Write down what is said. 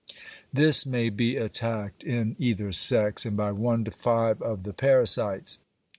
This may be attacked in either sex, and by one to five of the parasites.